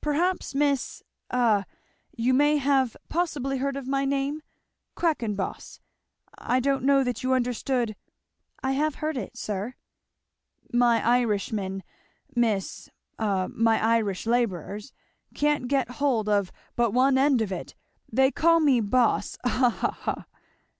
Perhaps Miss a you may have possibly heard of my name? Quackenboss I don't know that you understood " "I have heard it, sir." "My Irishmen, Miss a my Irish labourers, can't get hold of but one end of it; they call me Boss ha, ha, ha!"